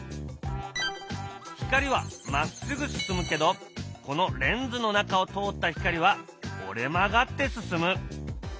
光はまっすぐ進むけどこのレンズの中を通った光は折れ曲がって進む。